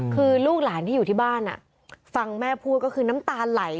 คือลูกหลานที่อยู่ที่บ้านฟังแม่พูดก็คือน้ำตาไหล